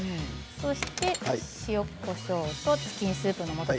そして塩、こしょうとチキンスープのもと。